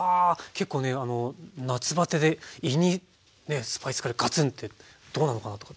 結構ね夏バテで胃にねスパイスカレーガツンってどうなのかなとかって。